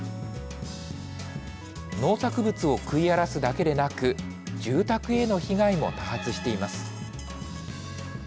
農作物を食い荒らすだけでなく、住宅への被害も多発しています。